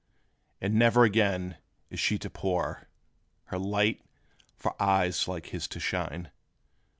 And ne'er again is she to pour Her light, for eyes like his to shine.